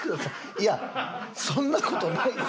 いやそんな事ないです。